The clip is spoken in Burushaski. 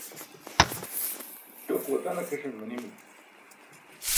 ṭok watan akʰeṣan manimi